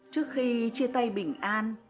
trước khi chia tay bình an